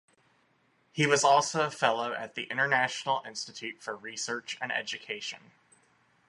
He was also a Fellow at the International Institute for Research and Education.